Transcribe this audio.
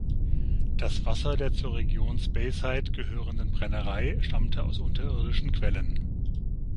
Das Wasser der zur Region Speyside gehörenden Brennerei stammte aus unterirdischen Quellen.